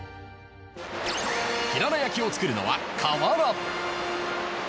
［ひらら焼きを作るのは河原］